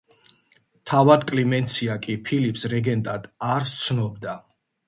თავად კლიმენცია კი ფილიპს რეგენტად არ სცნობდა.